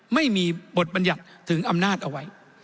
ไม่มีบทบัญญัติถึงอำนาจเอาไว้